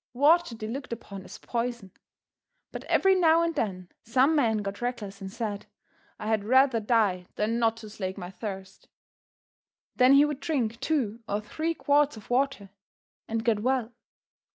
Water they looked upon as poison. But every now and then some man got reckless and said, "I had rather die than not to slake my thirst." Then he would drink two or three quarts of water and get well.